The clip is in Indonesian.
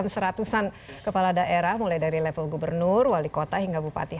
seratusan kepala daerah mulai dari level gubernur wali kota hingga bupati